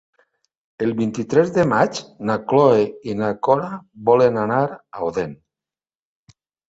El vint-i-tres de maig na Cloè i na Cora volen anar a Odèn.